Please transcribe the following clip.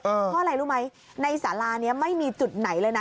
เพราะอะไรรู้ไหมในสารานี้ไม่มีจุดไหนเลยนะ